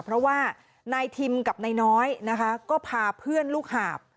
เพราะว่านายทิมกับนายน้อยนะคะก็พาเพื่อนลูกหาบ